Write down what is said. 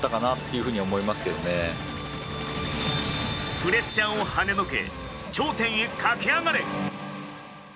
プレッシャーをはねのけ頂点へ駆けあがれ！